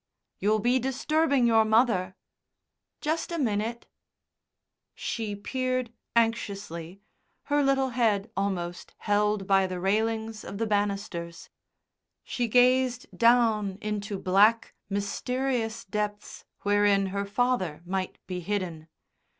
"You'll be disturbing your mother." "Just a minute." She peered anxiously, her little head almost held by the railings of the banisters; she gazed down into black, mysterious depths wherein her father might be hidden.